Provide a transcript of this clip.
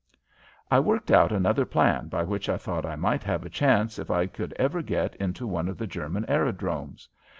I worked out another plan by which I thought I might have a chance if I could ever get into one of the German aerodromes.